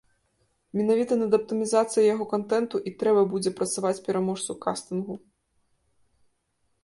Менавіта над аптымізацыяй яго кантэнту і трэба будзе працаваць пераможцу кастынгу.